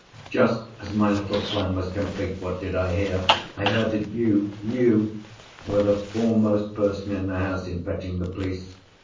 Just as my little plan was complete, what did I hear? I heard that you—you!!!—were the foremost person in the house in fetching the police.